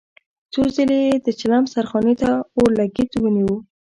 څو ځله يې د چيلم سرخانې ته اورلګيت ونيو.